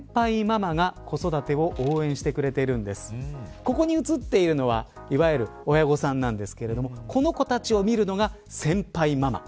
ここに写っているのはいわゆる親御さんなんですけどこの子たちを見るのが先輩ママ。